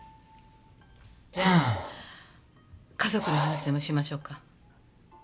じゃあ家族の話でもしましょうか。